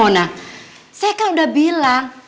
saya kan udah bilang